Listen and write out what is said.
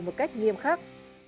một cách nghiêm khắc